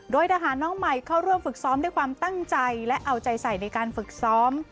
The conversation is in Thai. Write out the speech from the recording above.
โดยทหารน้องใหม่เข้าร่วมฝึกซ้อมด้วยความตั้งใจและเอาใจใส่ในการฝึกซ้อม